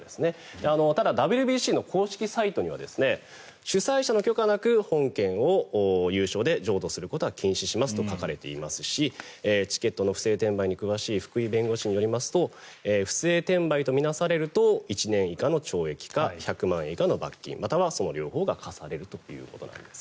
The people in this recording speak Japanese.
ただ、ＷＢＣの公式サイトには主催者の許可なく本券を有償で譲渡することは禁止しますと書かれていますしチケットの不正転売に詳しい福井弁護士によりますと不正転売と見なされると１年以下の懲役か１００万円以下の罰金またはその両方が科されるということです。